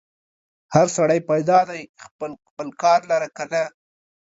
هر سړی پیدا دی خپل خپل کار لره که نه؟